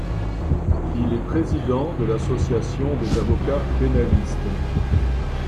Il est président de l'association des avocats pénalistes.